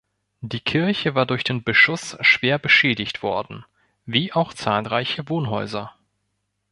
Die Kirche war durch den Beschuss schwer beschädigt worden, wie auch zahlreiche Wohnhäuser.